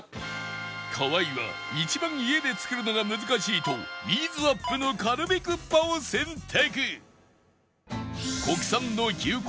河合は一番家で作るのが難しいとイーズアップのカルビクッパを選択